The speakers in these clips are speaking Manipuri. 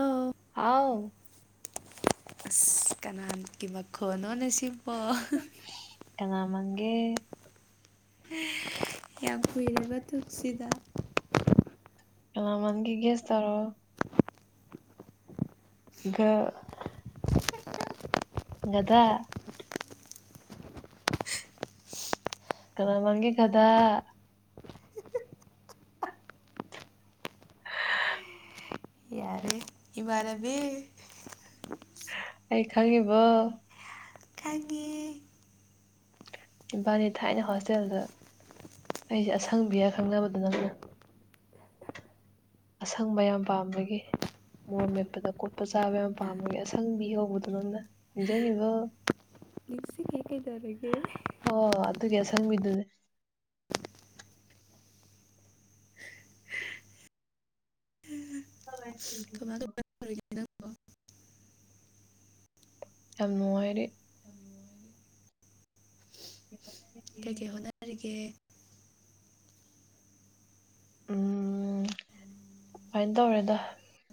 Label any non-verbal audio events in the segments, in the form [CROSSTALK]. ꯑꯣ ꯍꯥꯎ ꯑꯁ ꯀꯅꯥꯥꯒꯤ ꯃꯈꯣꯟꯅꯣꯅꯦ ꯁꯤꯕꯣ ꯀꯅꯥ ꯃꯥꯟꯒꯦ ꯌꯥꯝ ꯀꯨꯏꯔꯕ ꯃꯇꯨꯡꯁꯤꯗ ꯀꯅꯥ ꯃꯥꯟꯒꯦ ꯒꯦꯁ ꯇꯧꯔꯣ [UNINTELLIGIBLE] ꯉꯗꯥ ꯀꯅꯥ ꯃꯥꯟꯒꯦ ꯒꯗ ꯌꯥꯔꯦ ꯏꯃꯥꯟꯅꯕꯤ [UNINTELLIGIBLE] ꯑꯩ ꯈꯪꯉꯤꯕꯣ ꯈꯒꯤꯦ ꯏꯝꯐꯥꯜꯅꯤ ꯊꯥꯏꯅ ꯍꯣꯁꯇꯦꯜꯗ ꯑꯩꯁꯦ ꯑꯁꯪꯕꯤꯔ ꯈꯪꯅꯕꯗ ꯅꯪꯅ ꯑꯁꯪꯕ ꯌꯥꯝ ꯄꯥꯝꯕꯒꯤ ꯃꯣꯔ ꯃꯦꯠꯄꯗ ꯀꯣꯠꯄ ꯆꯥꯕ ꯌꯥꯝ ꯄꯥꯝꯃꯒ ꯑꯁꯪꯕꯤ ꯍꯧꯕꯗꯣ ꯅꯪꯅ ꯅꯤꯡꯁꯤꯡꯉꯤꯕ ꯏꯜꯁꯤꯛ ꯍꯦꯒꯗꯔꯒꯦ ꯑꯣ ꯑꯗꯨꯒꯤ ꯑꯁꯪꯕꯤꯗꯨꯗꯤ ꯍꯝꯝ ꯍ ꯌꯥꯝ ꯅꯨꯡꯉꯥꯏꯔꯦ ꯀꯩ ꯀꯩ ꯍꯣꯠꯅꯔꯤꯒꯦ ꯎꯝ ꯁꯨꯃꯥꯏꯅ ꯇꯧꯔꯦꯗ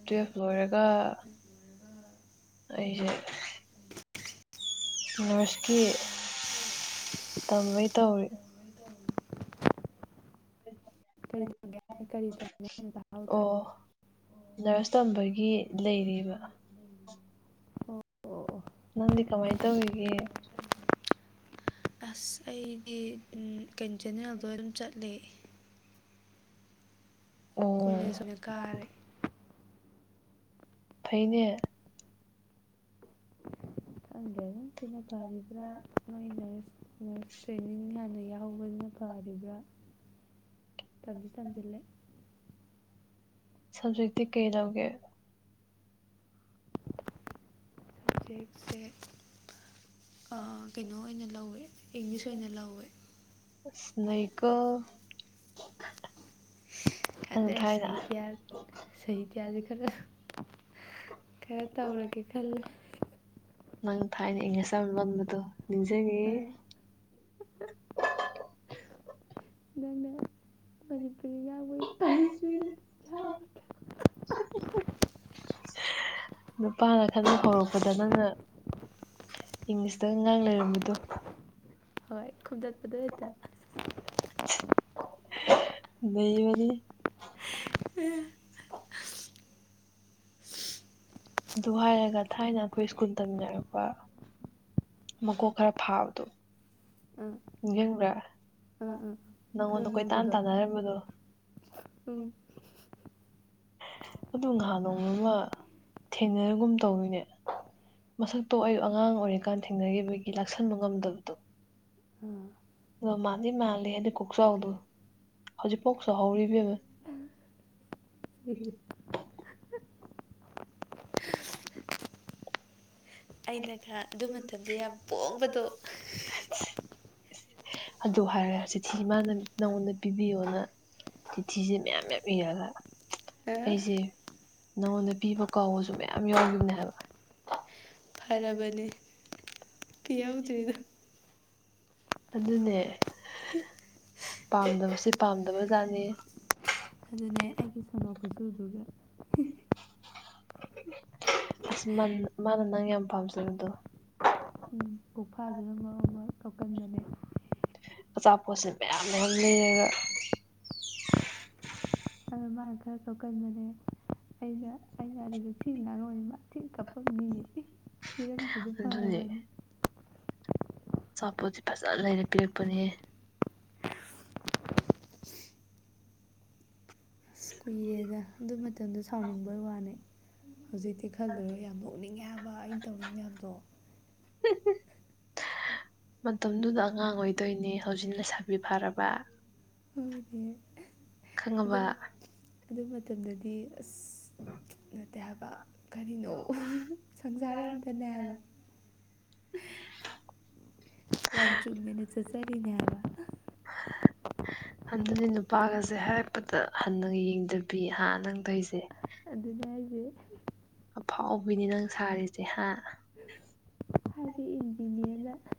ꯇꯨꯋꯜꯐ ꯂꯣꯏꯔꯒ ꯑꯩꯁꯦ ꯅꯔꯁꯀꯤ ꯇꯝꯕꯩ ꯇꯧꯔꯤ ꯀꯔꯤꯗ꯭ꯔ ꯇ ꯍꯥꯎꯗ꯭ꯔꯦ ꯑꯣ ꯅꯔꯁ ꯇꯝꯕꯒꯤ ꯂꯩꯔꯤꯕ ꯑꯣ ꯑꯣ ꯑꯣ ꯅꯪꯗꯤ ꯀꯃꯥꯏꯅ ꯇꯧꯔꯤꯒꯦ ꯑꯁ ꯑꯩꯗꯤ ꯀꯩ ꯆꯦꯅꯦꯦꯜꯗꯣ ꯑꯗꯨꯝ ꯆꯠꯂꯦ ꯑꯣ ꯀꯣꯂꯦꯖ ꯑꯣꯏꯅ ꯀꯥꯔꯦ ꯐꯩꯅꯦ ꯑꯪꯗꯦꯖꯝꯁꯤꯅ ꯐꯔꯤꯕ꯭ꯔ ꯃꯥꯏ ꯅꯔꯁ ꯅꯔꯁ ꯇ꯭ꯔꯦꯅꯤꯡꯡ ꯂꯅ ꯍꯧꯕꯁꯤꯅ ꯐꯔꯤꯕ꯭ꯔꯥ ꯇꯝꯁꯤ ꯇꯝꯁꯤꯜꯂꯦ ꯁꯕꯖꯦꯛꯇꯤ ꯀꯩ ꯂꯧꯒꯦ ꯍꯧꯞꯖꯦꯛꯁꯦ ꯀꯩꯅꯣ ꯑꯣꯏꯅ ꯂꯧꯋꯦ ꯏꯪꯂꯤꯁ ꯑꯣꯏꯅ ꯂꯧꯋꯦ ꯁꯅꯀ ꯅꯪ ꯑꯗꯨꯗ꯭ꯔꯦ ꯊꯥꯏꯅ ꯁꯍꯤꯇꯤꯌꯥ ꯁꯍꯤꯇꯤꯌꯥꯁꯦ ꯈꯔ ꯈꯔ ꯇꯧꯔꯒꯦ ꯈꯜꯂꯣ ꯅꯪ ꯊꯥꯏꯅ ꯏꯪꯂꯤꯁ ꯑꯃ ꯂꯝꯕꯗꯣ ꯅꯤꯡꯖꯒꯦ ꯗ ꯃꯖꯤꯒꯤ ꯄꯔꯤꯕꯨꯣꯏ ꯇꯥꯏꯁꯄꯤꯤ ꯑ ꯅꯨꯄꯥꯅ ꯈꯟ ꯍꯧꯔꯛꯄꯗ ꯅꯪꯅ ꯏꯪꯂꯤꯁꯇ ꯑꯉꯥꯡ ꯂꯩꯔꯝꯕꯗꯣ ꯈꯨ ꯆꯠꯄꯗ ꯑꯣꯏꯠꯇ ꯗꯕꯕꯗꯤ ꯎ ꯑꯗꯨ ꯍꯥꯏꯔꯒ ꯊꯥꯏꯅ ꯑꯩꯈꯣꯏ ꯁ꯭ꯀꯨꯜ ꯇꯝꯃꯤꯟꯅꯔꯛꯄ ꯃꯀꯣꯛ ꯈꯔ ꯐꯥꯕꯗꯣ ꯑꯥ ꯅꯤꯡꯁꯤꯡꯕ꯭ꯔꯥ ꯑꯥ ꯑꯥ ꯈꯔ ꯅꯪꯉꯣꯟꯗ ꯑꯩꯈꯣꯏ ꯇꯥꯟ ꯅꯣꯏꯕꯗꯣ ꯇꯥꯟꯅꯔꯤꯕꯗꯣ ꯎꯝ ꯑꯗꯨ ꯉꯍꯥꯟ ꯅꯣꯡꯒ ꯊꯦꯡꯅꯔꯒꯨꯝ ꯇꯧꯔꯤꯅꯦ ꯃꯁꯛꯇꯣ ꯑꯌ ꯑꯉꯥꯡ ꯑꯣꯏꯔꯤꯀꯥꯟ ꯊꯦꯡꯅꯈꯤꯕꯒꯤ ꯂꯥꯛꯁꯟꯕ ꯉꯝꯗꯕꯗꯣ ꯎꯝ ꯑꯗꯣ ꯃꯥꯗꯤ ꯃꯥꯜꯂꯤ ꯍꯥꯏꯗꯤ ꯀꯣꯛꯆꯥꯎꯗꯣ ꯍꯧꯖꯤꯛꯐꯣꯛꯆꯥꯎ ꯍꯧꯔꯤꯕꯕ ꯎ ꯑꯩꯅ ꯈ ꯑꯗꯨ ꯃꯇꯝꯗ ꯌꯥꯝ ꯄꯣꯡꯕꯗꯣ ꯑꯗꯨ ꯍꯥꯏꯔ ꯆꯤꯊꯤ ꯃꯥꯅ ꯅꯪꯉꯣꯟꯗ ꯄꯤꯕꯤꯌꯣꯅ ꯆꯤꯊꯤꯁꯦ ꯃꯌꯥꯝ ꯃꯌꯥꯝ ꯏꯔꯒ ꯑꯩꯁꯦ ꯅꯉꯣꯟꯗ ꯄꯤꯕ ꯀꯥꯎꯕꯁꯨ ꯃꯌꯥꯝ ꯌꯥꯎꯈꯤꯕꯅꯦ ꯍꯥꯏꯕ ꯐꯔꯕꯅꯦ ꯄꯤ ꯌꯥꯎꯗ꯭ꯔꯤꯗꯣ ꯑꯗꯨꯅꯦ ꯄꯥꯝꯗꯕꯁꯦ ꯄꯥꯝꯗꯕ ꯖꯥꯠꯅꯤ ꯑꯗꯨꯅꯦ ꯑꯩꯒꯤ ꯁꯥꯟꯅꯣ ꯈꯨꯠꯆꯨꯗꯨꯒ ꯑꯁ ꯃꯥꯅ ꯅꯪ ꯌꯥꯝ ꯄꯥꯝꯖꯕꯗꯣ ꯀꯣꯛꯐꯥꯗꯨꯅ ꯃꯔꯣꯜꯃ ꯀꯞꯀꯟꯕꯅꯦ ꯑꯆꯥꯄꯣꯠꯁꯦ ꯃꯌꯥꯝ [UNINTELLIGIBLE] ꯂꯩꯑꯒ ꯑꯗꯨ ꯃꯥꯅ ꯈꯔ ꯀꯞꯀꯟꯕꯅꯦ ꯑꯩꯅ ꯑꯩꯅ ꯑꯗꯨꯁꯨ ꯊꯤ [UNINTELLIGIBLE] ꯊꯤ ꯀꯞꯞꯝ ꯃꯤꯌꯦ ꯍꯤꯔꯝꯁꯤꯗ ꯑꯗꯨꯅꯦ ꯐꯔꯕꯅꯤ ꯑꯆꯥꯄꯣꯠꯁꯤ ꯐꯖꯅ ꯂꯩꯔꯦ ꯄꯤꯔꯛꯄꯅꯦ ꯀꯨꯏꯔꯦꯗ ꯑꯗꯨ ꯃꯇꯝꯗꯣ ꯁꯥꯎꯅꯤꯡꯕ ꯋꯥꯅꯦ ꯍꯧꯖꯤꯛꯇꯤ ꯈꯜꯂꯔꯣ ꯌꯥꯝ ꯅꯣꯛꯅꯤꯡꯉꯦ ꯍꯥꯏꯕ ꯑꯩ ꯇꯧꯔꯤ ꯃꯌꯥꯝꯗꯣ ꯃꯇꯝꯗꯨꯗ ꯑꯉꯥꯡ ꯑꯣꯏꯗꯣꯏꯅꯦ ꯍꯧꯖꯤꯛ ꯂꯩꯁꯥꯕꯤ ꯐꯔꯕ [UNINTELLIGIBLE] ꯈꯪꯉꯕ ꯑꯗꯨꯝ ꯑꯗꯨ ꯃꯇꯝꯗꯗꯤ ꯑꯁ ꯅꯠꯇꯦ ꯍꯥꯏꯕ ꯀꯔꯤꯅꯣ ꯁꯪꯁꯥꯔ ꯑꯝꯗꯅꯦꯕ [UNINTELLIGIBLE] ꯌꯥꯝ ꯆꯨꯟꯃꯤꯅ ꯆꯠꯆꯔꯤꯅꯦ ꯍꯥꯏꯕ [UNINTELLIGIBLE] ꯑꯗꯨꯅꯦ ꯅꯨꯄꯥꯒꯁꯦ ꯍꯥꯏꯔꯛꯄꯗ ꯍꯟꯅ ꯌꯦꯡꯗꯕꯤ ꯍꯥ ꯅꯪꯗꯣꯏꯁꯦ ꯑꯗꯨꯅꯦ ꯍꯥꯏꯁꯦ ꯑꯐꯥꯎꯕꯤꯅꯤ ꯅꯪ ꯁꯥꯔꯤꯁꯦ ꯍꯥ [UNINTELLIGIBLE] [UNINTELLIGIBLE]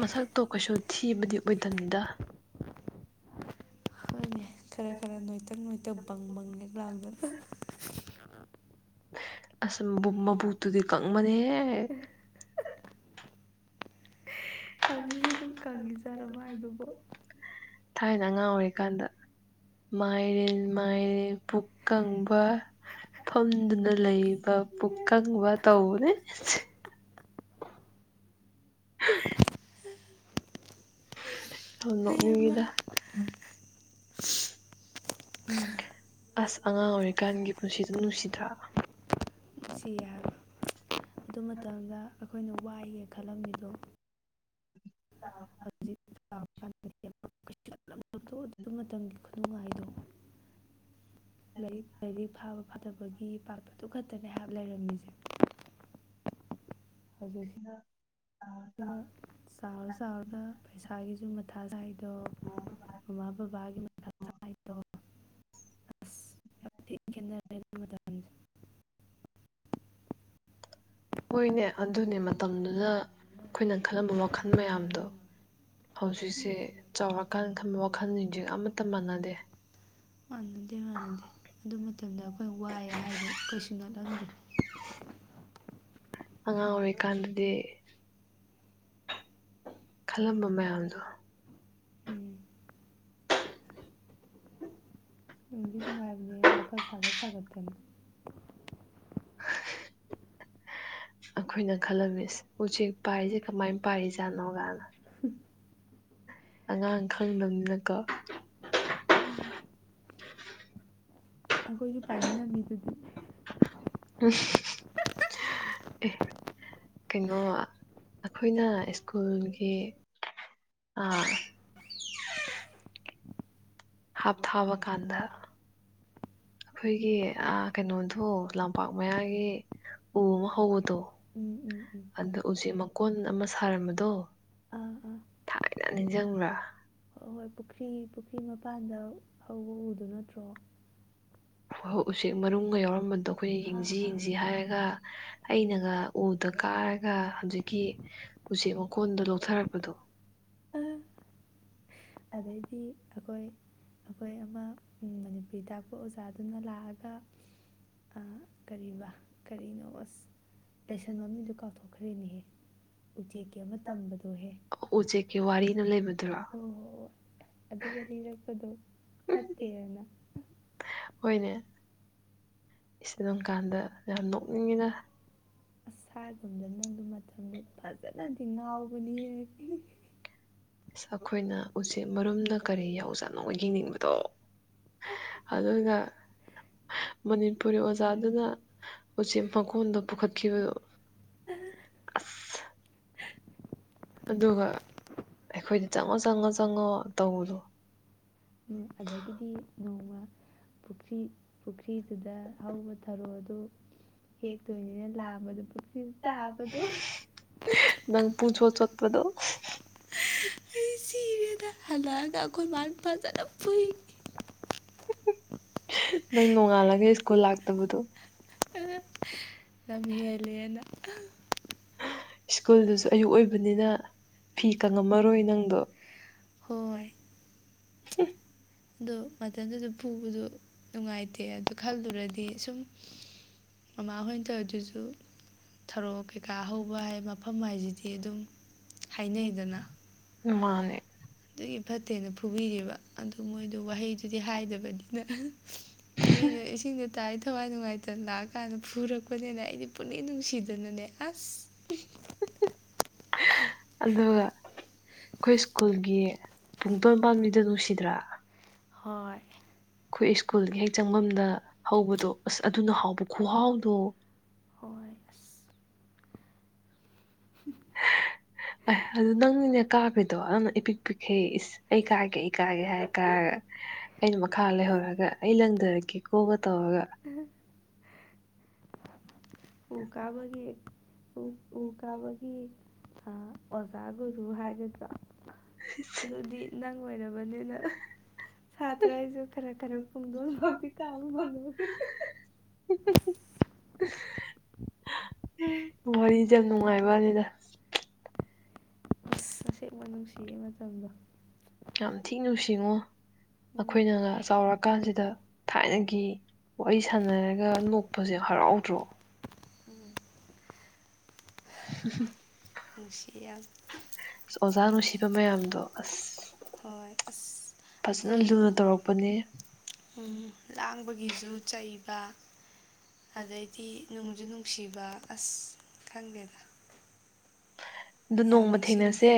ꯃꯁꯛꯇꯣ ꯀꯩꯁꯨ ꯊꯤꯕꯗꯤ ꯑꯣꯏꯗꯅꯤꯗ ꯍꯣꯏꯅꯦ ꯈꯔ ꯈꯔ ꯅꯣꯏꯇꯛ ꯅꯣꯏꯇꯛ ꯕꯪ ꯕꯪꯅꯦꯛ ꯂꯥꯎꯗꯅ ꯑꯁ ꯃꯕꯨꯛꯇꯨꯗꯤ ꯀꯪꯃꯅꯦ ꯍꯧꯖꯤꯛꯁꯨ ꯑꯗꯨꯝ ꯀꯪꯉꯤꯖꯥꯠꯂꯣ ꯃꯥꯏꯗꯨꯕ ꯊꯥꯏꯅ ꯑꯉꯥꯡ ꯑꯣꯏꯔꯤꯀꯥꯟꯗ ꯃꯥꯏꯔꯦꯟ ꯃꯥꯏꯔꯦꯟ ꯄꯨꯛ ꯀꯪꯕ ꯐꯝꯗꯨꯅ ꯂꯩꯕ ꯄꯨꯀꯪꯕ ꯇꯧꯕꯅꯦ [UNINTELLIGIBLE] ꯍꯩꯃꯥ ꯅꯣꯛꯅꯤꯉꯤꯗ ꯑꯁ ꯑꯉꯥꯡ ꯑꯣꯏꯔꯤꯀꯥꯟꯒꯤ ꯄꯨꯟꯁꯤꯗ ꯅꯨꯡꯁꯤꯗ꯭ꯔꯥ ꯅꯨꯡ ꯁꯤ ꯌꯥꯕ ꯑꯗꯨ ꯃꯇꯝꯗ ꯑꯩꯈꯣꯏꯅ ꯋꯥꯏꯒꯦ ꯈꯜꯂꯝꯃꯤꯗꯣ [UNINTELLIGIBLE] [UNINTELLIGIBLE] ꯗꯨ ꯃꯇꯝꯒꯤ ꯈꯨꯅꯨꯡꯉꯥꯏꯗꯣ ꯂꯥꯏꯔꯤꯛ ꯂꯥꯏꯔꯤꯛ ꯐꯥꯕ ꯐꯗꯕꯒꯤ ꯄꯥꯠꯄꯗꯨ ꯈꯛꯇꯅꯦ ꯍꯥꯏꯕ ꯂꯩꯔꯝꯃꯤꯁꯦ [UNINTELLIGIBLE] [UNINTELLIGIBLE] ꯆꯥꯎꯔ ꯆꯥꯎꯔꯒ ꯄꯩꯁꯥꯒꯤꯁꯨ ꯃꯊꯥ ꯁꯥꯏꯗꯣ [UNINTELLIGIBLE] ꯃꯃꯥ ꯕꯕꯥꯒꯤ ꯃꯊꯥ ꯁꯥꯏꯗꯣ ꯑꯁ [UNINTELLIGIBLE] ꯍꯣꯏꯅꯦ ꯑꯗꯨꯅꯦ ꯃꯇꯝꯗꯨꯗ ꯈꯣꯏꯅ ꯈꯜꯂꯝꯕ ꯋꯥꯈꯜ ꯃꯌꯥꯝꯗꯣ ꯍꯧꯖꯤꯛꯁꯦ ꯆꯥꯎꯔꯀꯥꯟꯗ ꯊꯝꯕ ꯋꯥꯈꯜꯁꯤꯡꯁ ꯑꯃꯠꯇ ꯃꯥꯟꯅꯗꯦ ꯃꯥꯟꯅꯗꯦ ꯃꯥꯟꯅꯗꯦ ꯑꯗꯨ ꯃꯇꯝꯗ ꯑꯩꯈꯣꯏꯅ ꯋꯥꯏ ꯍꯥꯏꯗꯣ ꯀꯩꯁꯨ ꯅꯠꯂꯝꯗ꯭ꯔꯦ ꯑꯉꯥꯡ ꯑꯣꯏꯔꯤꯀꯥꯟꯗꯗꯤ ꯈꯜꯂꯝꯕ ꯃꯌꯥꯝꯗꯣ ꯎꯝ ꯅꯨꯡꯗꯤ ꯅꯨꯉꯥꯏꯕꯅꯦꯍꯦ ꯋꯥꯈꯜ ꯁꯥꯒꯠ ꯁꯥꯒꯠꯇꯅ [UNINTELLIGIBLE] ꯑꯩꯈꯣꯏꯅ ꯈꯜꯂꯝꯃꯤꯁꯦ ꯎꯆꯦꯛ ꯄꯥꯏꯔꯤꯁꯦ ꯀꯃꯥꯏ ꯄꯥꯏꯔꯤ ꯖꯥꯠꯅꯣ ꯒꯥꯅ ꯑꯉꯥꯡ ꯈꯪꯗꯝꯅꯤꯅꯀꯣ ꯑꯩꯈꯣꯏꯖꯨ ꯄꯥꯏꯅꯤꯡꯉꯝ ꯃꯤꯗꯨꯗꯤ [UNINTELLIGIBLE] ꯑꯦ ꯀꯩꯅꯣ ꯑꯩꯈꯣꯏꯅ ꯏꯁ꯭ꯀꯨꯜꯒꯤ ꯑ ꯍꯥꯞꯊꯥꯕ ꯀꯥꯟꯗ ꯑꯩꯈꯣꯏꯒꯤ ꯑꯥ ꯀꯩꯅꯣꯙꯣ ꯂꯝꯄꯥꯛ ꯃꯌꯥꯒꯤ ꯎ ꯑꯃ ꯍꯧꯕꯗꯣ ꯎꯝ ꯎꯝ ꯎꯝ ꯑꯗ ꯎꯆꯦꯛ ꯃꯀꯣꯟ ꯑꯃ ꯁꯥꯔꯝꯕꯗꯣ ꯑꯥ ꯑꯥ ꯊꯥꯏꯅ ꯅꯤꯡꯁꯤꯡꯕ꯭ꯔꯥ ꯑ ꯍꯣꯏ ꯄꯨꯈ꯭ꯔꯤ ꯄꯨꯈ꯭ꯔꯤ ꯃꯄꯥꯟꯗ ꯍꯧꯕ ꯎꯗꯨ ꯅꯠꯇ꯭ꯔꯣ ꯍꯣꯏ ꯎꯆꯦꯛ ꯃꯔꯨꯝꯒ ꯌꯥꯎꯔꯝꯕꯗꯣ ꯑꯩꯈꯣꯏꯅ ꯑꯥ ꯌꯦꯡꯖꯤ ꯑꯥ ꯌꯦꯡꯖꯤ ꯍꯥꯏꯔꯒ ꯑꯩꯅꯒ ꯎꯗ ꯀꯥꯔꯒ ꯍꯧꯖꯤꯛꯀꯤ ꯎꯆꯦꯛ ꯃꯀꯣꯟꯗꯣ ꯂꯧꯊꯔꯛꯄꯗꯣ ꯑꯥ ꯑꯗꯩꯗꯤ ꯑꯈꯣꯏ ꯑꯈꯣꯏ ꯑꯃ ꯃꯅꯤꯄꯨꯔꯤ ꯇꯥꯛꯄ ꯑꯣꯖꯥꯗꯨꯅ ꯂꯥꯛꯑꯒ ꯑ ꯀꯔꯤꯕ ꯀꯔꯤꯅꯣ ꯑꯣꯁ ꯂꯦꯁꯟ ꯃꯃꯤꯡꯗꯣ ꯀꯥꯎꯊꯣꯛꯈ꯭ꯔꯦꯅꯦꯍꯦ ꯎꯆꯦꯛꯀꯤ ꯑꯃ ꯇꯝꯕꯗꯣꯍꯦ ꯎꯆꯦꯛꯀꯤ ꯋꯥꯔꯤꯅ ꯂꯩꯕꯗꯨꯔꯣ ꯍꯣꯏ ꯍꯣꯏ ꯍꯣꯏ ꯑꯗꯨꯒ ꯂꯤꯔꯛꯄꯗꯣ ꯐꯠꯇꯦꯅ ꯍꯣꯏꯅꯦ ꯏꯁ ꯑꯗꯨꯝ ꯀꯥꯟꯗ ꯌꯥꯝ ꯅꯣꯛꯅꯤꯡꯉꯤꯅ ꯀꯥꯏꯒꯨꯝꯗ ꯅꯪꯗ ꯃꯇꯝꯗꯨ ꯐꯖꯅꯗꯤ ꯉꯥꯎꯕꯅꯤ ꯍꯦ ꯑꯁ ꯑꯈꯣꯏꯅ ꯎꯆꯦꯛ ꯃꯔꯨꯝꯗ ꯀꯔꯤ ꯌꯥꯎꯖꯥꯠꯅꯣ ꯌꯦꯡꯅꯤꯡꯕꯗꯣ ꯑꯗꯨꯅ ꯃꯅꯤꯄꯨꯔꯤ ꯑꯣꯖꯥꯗꯨꯅ ꯎꯆꯦꯛ ꯃꯀꯣꯟꯗꯣ ꯄꯨꯈꯠꯈꯤꯕꯗꯨ ꯑꯗꯨꯒ ꯑꯩꯈꯣꯏꯗ ꯆꯪꯉꯣ ꯆꯪꯉꯣ ꯆꯪꯉꯣ ꯇꯧꯕꯗꯣ ꯑꯗꯒꯤꯗꯤ ꯅꯣꯡꯃ ꯄꯨꯈ꯭ꯔꯤ ꯄꯨꯈ꯭ꯔꯤꯗꯨꯗ ꯍꯧꯕ ꯊꯔꯣ ꯑꯗꯨ ꯍꯦꯛꯇꯣꯏꯅꯤꯅ ꯂꯥꯝꯕꯗꯣ ꯄꯨꯈ꯭ꯔꯤꯗ ꯇꯥꯕꯗꯣ ꯅꯪ ꯄꯨꯡꯆꯣꯠ ꯆꯣꯠꯄꯗꯣ [UNINTELLIGIBLE] ꯑꯩ ꯁꯤꯔꯦꯗ ꯍꯜꯂꯑꯒ ꯑꯩꯈꯣꯏ ꯃꯥꯟ ꯄꯖꯅ ꯐꯨ ꯅꯪꯏ ꯅꯣꯡꯉꯥꯜꯂꯒ ꯁ꯭ꯀꯨꯜ ꯂꯥꯛꯇꯕꯗꯣ ꯂꯝ ꯍꯦꯜꯂꯦꯅ ꯁ꯭ꯀꯨꯜꯗꯨꯁꯨ ꯑꯌꯨꯛ ꯑꯣꯏꯕꯅꯤꯅ ꯐꯤ ꯀꯪꯉꯝꯃꯔꯣꯏ ꯅꯪꯗꯣ ꯍꯣꯏ ꯑꯗꯣ ꯃꯇꯝꯗꯨꯗ ꯄꯨꯕꯗ ꯅꯨꯡꯉꯥꯏꯇꯦ ꯑꯗꯨ ꯈꯜꯂꯨꯔꯗꯤ ꯁꯨꯝ ꯃꯃꯥ ꯍꯣꯏꯟ ꯇꯧꯏꯗꯨꯁꯨ ꯊꯔꯣ ꯀꯩꯀꯥ ꯍꯧꯕ ꯍꯥꯏ ꯃꯐꯝ ꯍꯥꯏꯁꯤꯗꯤ ꯑꯗꯨꯝ ꯍꯥꯏꯅꯩꯗꯅ ꯃꯥꯅꯦ ꯑꯗꯨꯒꯤ ꯐꯠꯇꯦꯅ ꯐꯨꯕꯤꯔꯤꯕ ꯑꯗꯨ ꯃꯣꯏꯗꯨ ꯋꯥꯍꯩꯗꯨꯗꯤ ꯍꯥꯏꯗꯕꯅꯤꯅ [UNINTELLIGIBLE] ꯃꯤꯅ ꯏꯁꯤꯡꯗꯣ ꯇꯥꯏꯔꯤ ꯊꯋꯥꯏ ꯅꯨꯡꯉꯥꯏ ꯗꯟ ꯂꯥꯛꯑꯀꯥꯟꯗ ꯐꯨꯔꯛꯄꯅꯤꯅ ꯑꯩꯗꯤ ꯄꯨꯛꯅꯤꯡ ꯅꯨꯡꯁꯤꯗꯅꯅꯦ ꯑꯁ [UNINTELLIGIBLE] ꯑꯗꯨꯒ ꯑꯩꯈꯣꯏ ꯁ꯭ꯀꯨꯜꯒꯤ ꯄꯨꯡ ꯇꯣꯟ ꯄꯥꯝꯕꯤꯗꯣ ꯅꯨꯡꯁꯤꯗ꯭ꯔꯥ ꯍꯣꯏ ꯑꯩꯈꯣꯏ ꯁ꯭ꯀꯨꯜꯒꯤ ꯍꯦꯛ ꯆꯪꯐꯝꯗ ꯍꯧꯕꯗꯣ ꯑꯁ ꯑꯗꯨꯅ ꯍꯥꯎꯕ ꯈꯨꯍꯥꯎꯗꯣ ꯍꯣꯏ ꯑꯁ ꯑꯦ ꯑꯗꯨ ꯅꯪꯒꯤꯅꯦ ꯀꯥꯒ꯭ꯔꯤꯗꯣ ꯅꯪꯅ ꯏꯄꯤꯛ ꯄꯤꯛꯈꯩ ꯑꯩ ꯀꯥꯒꯦ ꯑꯩ ꯀꯥꯒꯦ ꯍꯥꯏꯔ ꯀꯥꯔꯒ ꯑꯩꯅ ꯃꯈꯥ ꯂꯩꯍꯧꯔꯒ ꯑꯩ ꯂꯪꯗꯔꯛꯀꯦ ꯀꯣ ꯇꯧꯔꯒ ꯎ ꯀꯥꯕꯒꯤ ꯎ ꯀꯥꯕꯒꯤ ꯑꯥ ꯑꯣꯖꯥ ꯒꯨꯔꯨ ꯍꯥꯏꯒꯗ꯭ꯔꯣ [UNINTELLIGIBLE] ꯗꯤ ꯅꯪ ꯑꯣꯏꯔꯕꯅꯤꯅ ꯁꯥꯇ꯭ꯔ ꯑꯩꯁꯨ ꯈꯔ ꯈꯔ ꯄꯨꯡꯗꯣꯟ ꯐꯥꯎꯗꯤ ꯀꯥꯕ ꯐꯪꯍꯧꯏ [UNINTELLIGIBLE] ꯋꯥꯔꯤꯁꯦ ꯌꯥꯝ ꯅꯨꯡꯉꯥꯏꯕ ꯋꯥꯅꯤꯗ ꯃꯁꯦꯡꯕ ꯅꯨꯡꯁꯤꯌꯦ ꯃꯇꯝꯗꯣ ꯌꯥꯝ ꯊꯤ ꯅꯨꯡꯁꯤꯉꯨ ꯎꯝ ꯑꯈꯣꯏꯅꯒ ꯆꯥꯎꯔꯀꯥꯟꯁꯤꯗ ꯊꯥꯏꯅꯒꯤ ꯋꯥꯔꯤ ꯁꯥꯟꯅꯔꯒ ꯅꯣꯛꯄꯁꯦ ꯍꯔꯥꯎꯗ꯭ꯔꯣ [UNINTELLIGIBLE] ꯅꯨꯡꯁꯤ ꯌꯥꯝ ꯑꯣꯖꯥ ꯅꯨꯡꯁꯤꯕ ꯃꯌꯥꯝꯗꯣ ꯑꯁ ꯍꯣꯏ ꯑꯁ ꯐꯖꯅ ꯑꯩꯈꯣꯏꯗꯣ ꯂꯨꯅ ꯇꯧꯔꯛꯄꯅꯦ ꯎꯝ ꯂꯥꯡꯕꯒꯤꯁꯨ ꯆꯩꯕ ꯑꯗꯩꯗꯤ ꯅꯨꯡꯖꯨ ꯅꯨꯡꯁꯤꯕ ꯑꯁ ꯈꯪꯗꯦꯗ ꯑꯗꯨ ꯅꯣꯡꯃ ꯊꯦꯡꯅꯁꯦ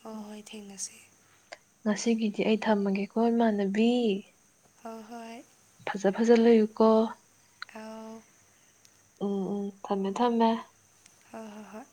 ꯍꯣ ꯍꯣꯏ ꯊꯦꯡꯅꯁꯤ ꯉꯁꯤꯒꯤꯗꯤ ꯑꯩ ꯊꯝꯃꯒꯦꯀꯣ ꯏꯃꯥꯟꯅꯕꯤ ꯍꯣ ꯍꯣꯏ ꯐꯖ ꯐꯖ ꯂꯩꯌꯨꯀꯣ ꯑꯥꯎ ꯎꯝ ꯎꯝ ꯊꯝꯃꯦ ꯊꯝꯃꯦ ꯍꯣꯏ ꯍꯣꯏ ꯍꯣꯏ